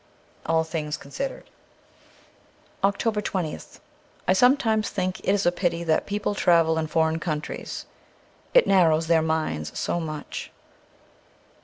' All Things Considered.' 32s OCTOBER 20th I SOMETIMES think it is a pity that people travel in foreign countries ; it narrows their minds so much.